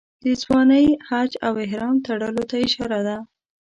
د ځوانۍ حج او احرام تړلو ته اشاره ده.